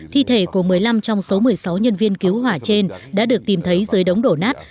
thi thể của một mươi năm trong số một mươi sáu nhân viên cứu hỏa trên đã được tìm thấy dưới đống đổ nát